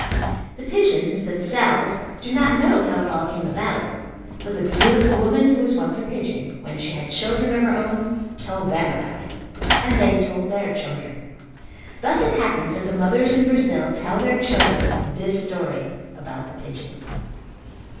The pigeons, themselves, do not know how it all came about, but the beautiful woman who was once a pigeon, when she had children of her own, told them about it, and they told their children. Thus it happens that the mothers in Brazil tell their children this story about the pigeon.